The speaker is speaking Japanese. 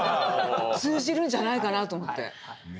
通じるんじゃないかなと思って。